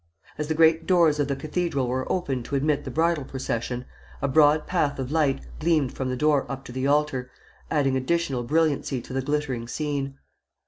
As the great doors of the cathedral were opened to admit the bridal procession, a broad path of light gleamed from the door up to the altar, adding additional brilliancy to the glittering scene.